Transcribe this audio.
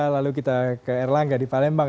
lalu kita ke erlangga di palembang